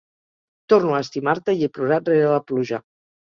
Torno a estimar-te i he plorat rere la pluja.